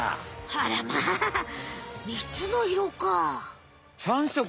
あらまあ３つの色か！